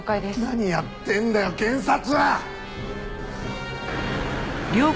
何やってんだよ検察は！